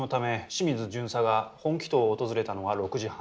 清水巡査が本鬼頭を訪れたのは６時半。